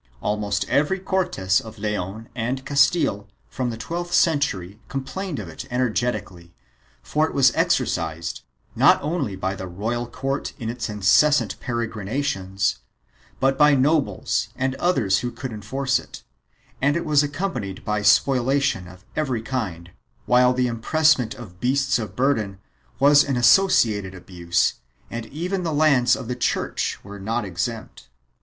Almost every Cortes of Leon and Castile, from the twelfth century complained of it energetically, for it was exercised, not only by the royal court in its incessant pere grinations, but by nobles and others who could enforce it, and it was accompanied by spoliation of every kind, while the impress ment of beasts of burden was an associated abuse and even the lands of the Church were not exempt.